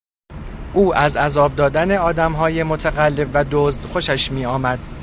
او از عذاب دادن آدمهای متقلب و دزد خوشش میآمد.